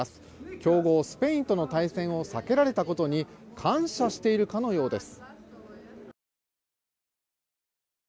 強豪スペインとの対戦を避けられたことに感謝しているかのようです。